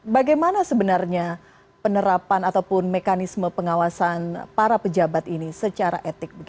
bagaimana sebenarnya penerapan ataupun mekanisme pengawasan para pejabat ini secara etik